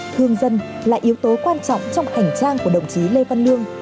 đồng chí lê văn lương là yếu tố quan trọng trong hành trang của đồng chí lê văn lương